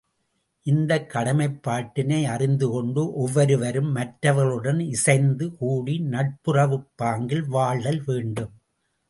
இந்தக் கடமைப்பாட்டினை அறிந்து கொண்டு ஒவ்வொருவரும் மற்றவர்களுடன் இசைந்து கூடி நட்புறவுப்பாங்கில் வாழ்தல் வேண்டும்.